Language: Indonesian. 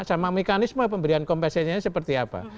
sama mekanisme pemberian kompensasinya seperti apa